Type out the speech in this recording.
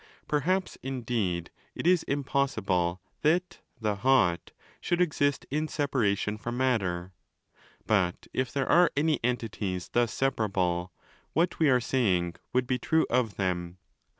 Perhaps, indeed, it is impossible that 'the hot' should exist in separation from matter: but if there are any entities thus separable, what we are saying would be true of them.